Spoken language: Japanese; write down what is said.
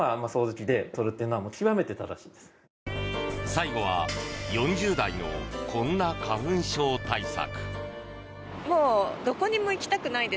最後は、４０代のこんな花粉症対策。